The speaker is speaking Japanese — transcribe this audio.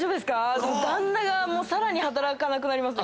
旦那がさらに働かなくなります。